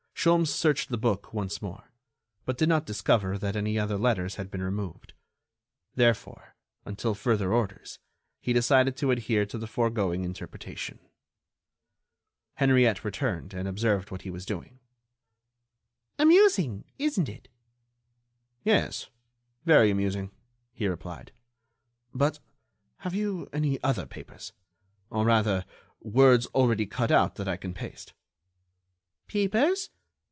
Sholmes searched the book once more, but did not discover that any other letters had been removed. Therefore, until further orders, he decided to adhere to the foregoing interpretation. Henriette returned and observed what he was doing. "Amusing, isn't it?" "Yes, very amusing," he replied. "But, have you any other papers?... Or, rather, words already cut out that I can paste?" "Papers?...